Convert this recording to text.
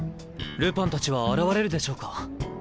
ルパンたちは現れるでしょうか。